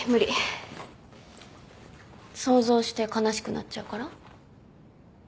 想像して悲しくなっちゃうから？